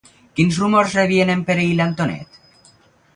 Quins rumors rebien en Pere i l'Antonet?